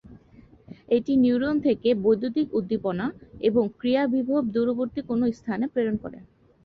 এটি নিউরন থেকে বৈদ্যুতিক উদ্দীপনা এবং ক্রিয়া বিভব দূরবর্তী কোনো স্থানে প্রেরণ করে।